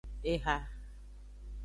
Eha.